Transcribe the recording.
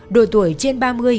đổi tuổi trên ba mươi